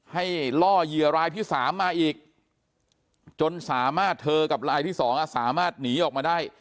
ล่อเหยื่อรายที่๓มาอีกจนสามารถเธอกับรายที่๒สามารถหนีออกมาได้